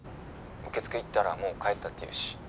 受付行ったらもう帰ったって言うし。